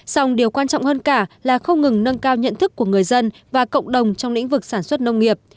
song điều quan trọng hơn cả là không ngừng nâng cao nhận thức của người dân và cộng đồng trong lĩnh vực sản xuất nông nghiệp